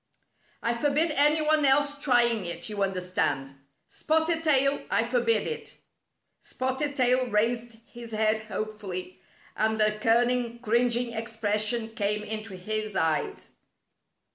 I forbid any one else trying it. You understand. Spotted Tail, I forbid it !" Spotted Tail raised his head hopefully, and a cunning, cringing expression came into his eyes.